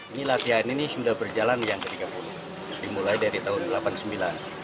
ini latihan ini sudah berjalan yang ketiga mulai dari tahun seribu sembilan ratus delapan puluh sembilan